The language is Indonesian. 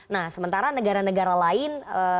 nah sementara negara negara lain